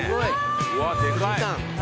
うわでかい。